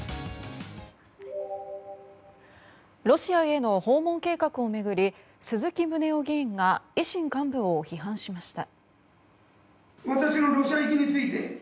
ロシアへの訪問計画を巡り鈴木宗男議員が維新幹部を批判しました。